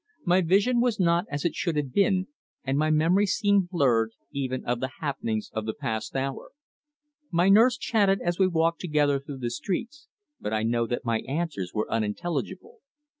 My vision was not as it should have been, and my memory seemed blurred, even of the happenings of the past hour. My nurse chatted as we walked together through the streets, but I know that my answers were unintelligible.